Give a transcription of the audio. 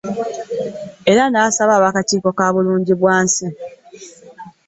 Era n'asaba ab'akakiiko ka Bulungi bwansi.